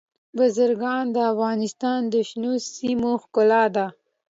بزګان د افغانستان د شنو سیمو ښکلا ده.